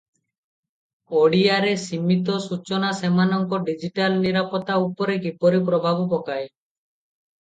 ଓଡ଼ିଆରେ ସୀମିତ ସୂଚନା ସେମାନଙ୍କ ଡିଜିଟାଲ ନିରାପତ୍ତା ଉପରେ କିପରି ପ୍ରଭାବ ପକାଏ?